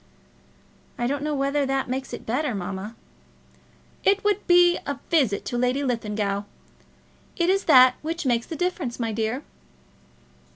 "I don't know whether that makes it better, mamma." "It would just be a visit to Lady Linlithgow. It is that which makes the difference, my dear."